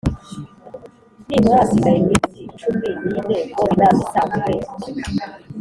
nibura hasigaye iminsi cumi n ine ngo inama isanzwe